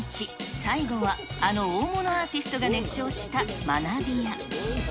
最後は、あの大物アーティストが熱唱した学びや。